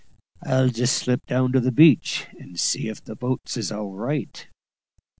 I'll just slip down to the beach, and see if the boats is all right."